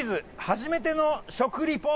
初めての食リポ！